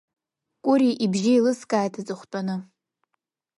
Кәыри ибжьы еилыскааит аҵыхәтәаны.